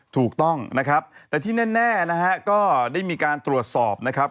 ถูกต้องนะครับแต่ที่แน่นะฮะก็ได้มีการตรวจสอบนะครับ